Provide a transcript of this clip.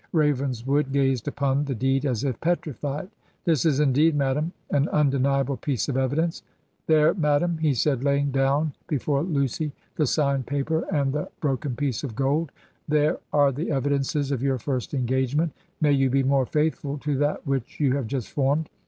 Ravenswood gazed upon the deed as if petrified. 'This is indeed, madam, an un deniable piece of evidence. ... There, madam,' he said, laying down before Lucy the signed paper and the broken piece of gold —^^ there are the evidences of your first engagement ; may you be more faithful to that which you have just formed.